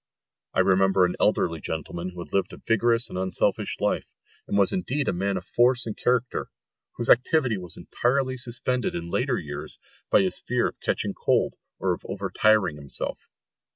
I remember an elderly gentleman who had lived a vigorous and unselfish life, and was indeed a man of force and character, whose activity was entirely suspended in later years by his fear of catching cold or of over tiring himself.